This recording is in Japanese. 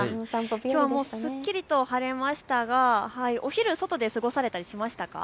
きょうもすっきりと晴れましたがお昼、外で過ごされたりしましたか。